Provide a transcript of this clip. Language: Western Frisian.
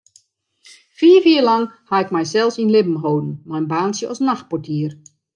Fiif jier lang ha ik mysels yn libben holden mei in baantsje as nachtportier.